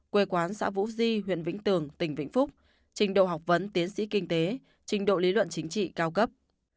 quê quán xã vũ di huyện vĩnh tường tỉnh vĩnh phúc trình độ học vấn tiến sĩ kinh tế trình độ lý luận chính trị cao cấp